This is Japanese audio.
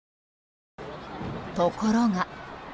ところが。